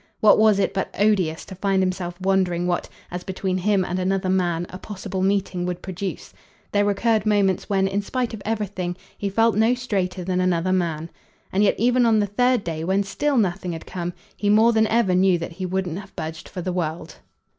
What was it but odious to find himself wondering what, as between him and another man, a possible meeting would produce? There recurred moments when in spite of everything he felt no straighter than another man. And yet even on the third day, when still nothing had come, he more than ever knew that he wouldn't have budged for the world.